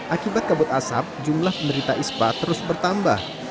akibat kabut asap jumlah penderita ispa terus bertambah